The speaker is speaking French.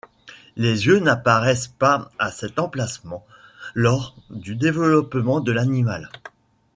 Les yeux n’apparaissent pas à cet emplacement lors du développement de l’animal.